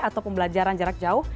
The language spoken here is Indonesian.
atau pembelajaran jarak jauh